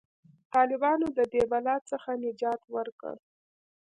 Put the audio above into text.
طالبانو د دې بلا څخه نجات ورکړ.